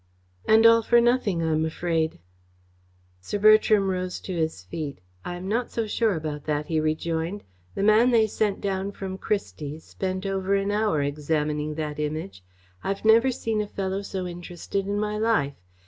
"And all for nothing, I am afraid." Sir Bertram rose to his feet. "I'm not so sure about that," he rejoined. "The man they sent down from Christie's spent over an hour examining that Image. I've never seen a fellow so interested in my life.